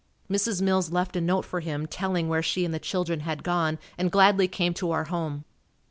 Mrs. Mills left a note for him telling where she and the children had gone and gladly came to our home.